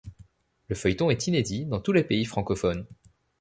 Le feuilleton est inédit dans tous les pays francophones.